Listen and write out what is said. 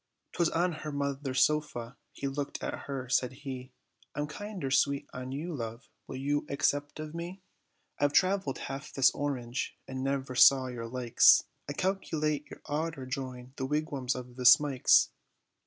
'Twas on her mother's sofa he looked at her, said he, "I'm kinder sweet on you, love, will you accept of me? I've travelled half this orange, and never saw your likes; I calculate you oughter join the wigwams of the Smikes."